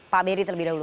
pak berry terlebih dahulu